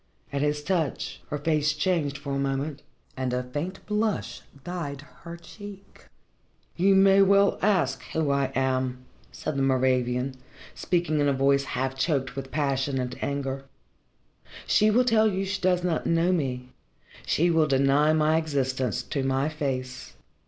At his touch, her face changed for a moment and a faint blush dyed her cheek. "You may well ask who I am," said the Moravian, speaking in a voice half choked with passion and anger. "She will tell you she does not know me she will deny my existence to my face.